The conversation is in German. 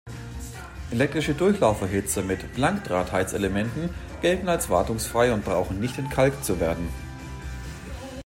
Elektrische Durchlauferhitzer mit "Blankdraht-Heizelementen" gelten als wartungsfrei und brauchen nicht entkalkt zu werden.